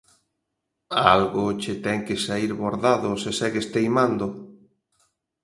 Algo che ten que saír bordado se segues teimando...